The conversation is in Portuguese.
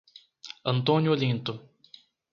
Antônio Olinto